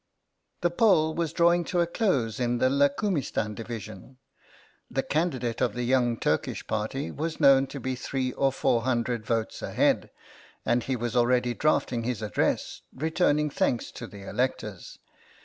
The poll was drawing to a close in the Lakoumistan division. The candidate of the Young Turkish Party was known to be three or four hundred votes ahead, and he was already drafting his address, returning thanks to the electors.